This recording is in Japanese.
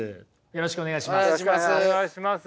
よろしくお願いします。